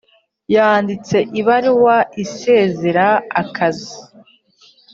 Yanditse ibaruwa isezera akazi